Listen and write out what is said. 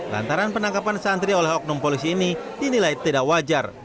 lantaran penangkapan santri oleh oknum polisi ini dinilai tidak wajar